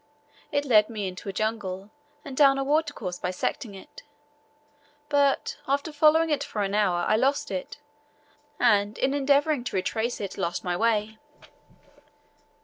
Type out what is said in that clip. It led me into a jungle, and down a watercourse bisecting it; but, after following it for an hour, I lost it, and, in endeavouring to retrace it, lost my way.